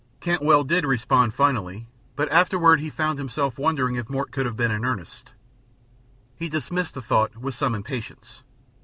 Cantwell did respond finally, but afterward he found himself wondering if Mort could have been in earnest. He dismissed the thought with some impatience.